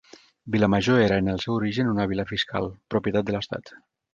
Vilamajor era en el seu origen una vila fiscal, propietat de l'Estat.